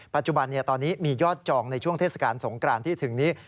ปัจจุบันตอนนี้มียอดจองในช่วงเทศกาลสงกรานที่ถึงนี้